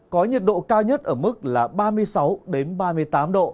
có nhiệt độ cao nhất ở mức là ba mươi sáu ba mươi tám độ